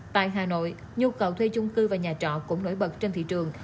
tại hà nội nhu cầu thuê chung cư và nhà trọ cũng nổi bật trên thị trường